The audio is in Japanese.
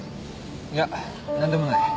いや何でもない。